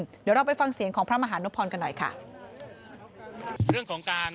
เดี๋ยวเราไปฟังเสียงของพระมหานภรกันหน่อยค่ะ